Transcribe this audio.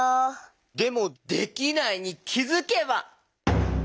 でも「できないに気づけば」？